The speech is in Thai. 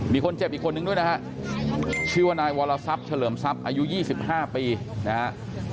มีคนเจ็บอีกคนนึงด้วยนะฮะชื่อว่านายวรสับเฉลิมทรัพย์อายุยี่สิบห้าปีนะฮะ